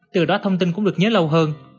từ đó thông tin cũng được nhớ lâu hơn